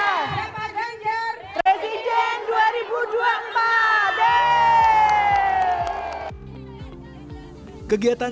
yang benar pak ganjar